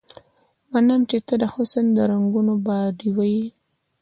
منم چې ته د حسن د رنګونو باډيوه يې